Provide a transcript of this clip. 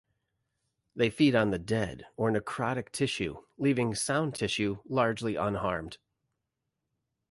They feed on the dead or necrotic tissue, leaving sound tissue largely unharmed.